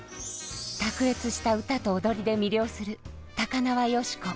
卓越した歌と踊りで魅了する高輪芳子。